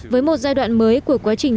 với một giai đoạn mới của quá trình